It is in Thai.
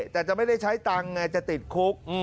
แต่จะไม่ได้ใช้ตังค์ไงจะติดคุก